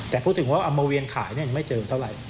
แต่พูดถึงว่าเอามาเวียนขายไม่เจอเท่าไหร่